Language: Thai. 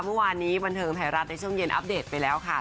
เมื่อวานนี้บันเทิงไทยรัฐในช่วงเย็นอัปเดตไปแล้วค่ะ